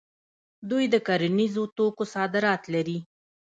دوی د کرنیزو توکو صادرات لري.